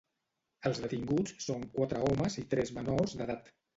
Els detinguts són quatre homes i tres menors d'edat.